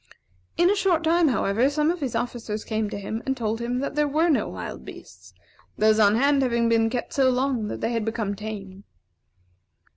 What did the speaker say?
In a short time, however, some of his officers came to him and told him that there were no wild beasts; those on hand having been kept so long that they had become tame.